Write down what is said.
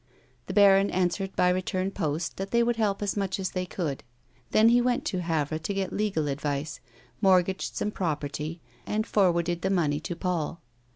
The baron answered by return post that they would help as much as they could. Then he went to Havre to get legal advice, mortgaged some property and forwarded the money to Paul.